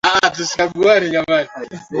Mtoto ni wake.